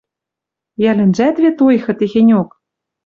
Йӓлӹнжӓт вет ойхы техеньок...» —